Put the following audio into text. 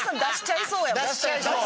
出しちゃいそう。